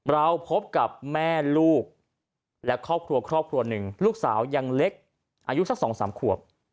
เราพบกับแม่ลูกและครอบครัวครอบครัวหนึ่งลูกสาวยังเล็กอายุสัก๒๓ขวบ